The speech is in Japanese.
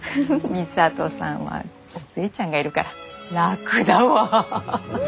巳佐登さんはお寿恵ちゃんがいるから楽だわ。